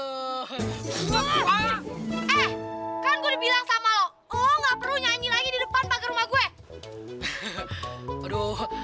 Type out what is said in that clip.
lo gak perlu nyanyi lagi di depan panggir rumah gue